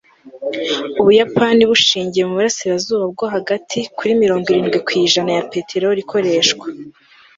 ubuyapani bushingiye muburasirazuba bwo hagati kuri mirongo irindwi ku ijana ya peteroli ikoresha